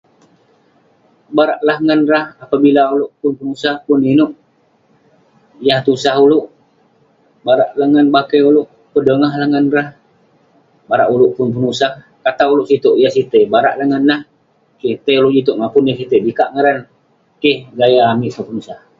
Barak lah ngan rah apabila ulouk pun penusah, pun inouk yah tusah ulouk..barak lah ngan bakeh ulouk ,pedongah lah ngan rah..barak ulouk pun penusah, pata ulouk sitouk, yah sitey.. barak lah ngan nah, keh..tai ulouk ji itouk mapun yah sitey, bikak ngaran neh..keh gaya amik tong penusah.